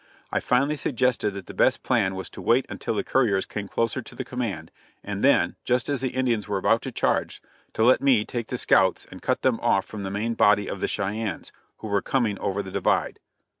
I finally suggested that the best plan was to wait until the couriers came closer to the command, and then, just as the Indians were about to charge, to let me take the scouts and cut them off from the main body of the Cheyennes, who were coming over the divide.